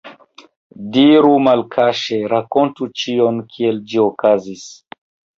Diru malkaŝe, rakontu ĉion, kiel ĝi okazis!